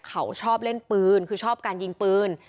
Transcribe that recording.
เขาชอบเล่นปืนคือชอบการยิงปืน